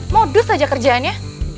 modus aja kerjaannya